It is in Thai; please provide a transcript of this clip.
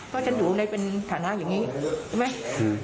ก็จะดูในเป็นฐานะอย่างนี้ใช่ไหม